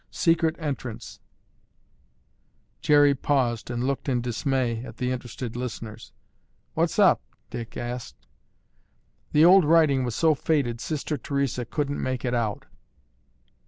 Secret entrance—" Jerry paused and looked in dismay at the interested listeners. "What's up?" Dick asked. "The old writing was so faded Sister Theresa couldn't make it out."